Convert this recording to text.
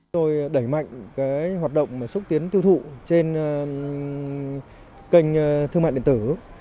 tôi đẩy mạnh hoạt động xúc tiến tiêu thụ trên kênh thương mại điện tử